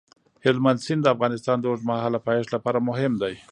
هلمند سیند د افغانستان د اوږدمهاله پایښت لپاره مهم دی.